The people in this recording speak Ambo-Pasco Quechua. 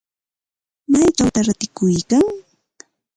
¿Maychawta ratikuykan?